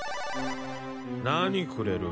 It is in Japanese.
何くれる？